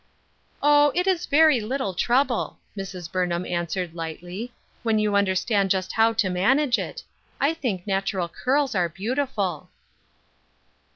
" Oh, it is very little trouble." Mrs. Burnham answered, lighuy, "wnen you anderstand just how to manage it. I think natural curls are beautiful."